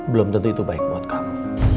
belum tentu itu baik buat kamu